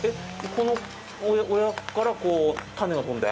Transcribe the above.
この親からこう種が飛んで？